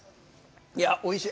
いや、おいしい。